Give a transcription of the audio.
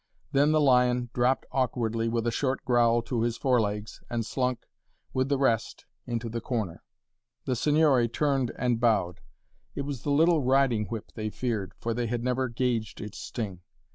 Then the lion dropped awkwardly, with a short growl, to his forelegs, and slunk, with the rest, into the corner. The Signore turned and bowed. It was the little riding whip they feared, for they had never gauged its sting.